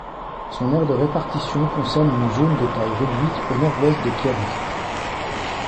Son aire de répartition concerne une zone de taille réduite au nord-ouest de Cairns.